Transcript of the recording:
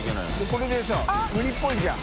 これでさ無理っぽいじゃん。